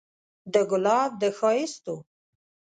د ګلاب د ښايستو